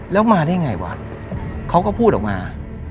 แล้วมาได้ไงวะเขาก็พูดออกมา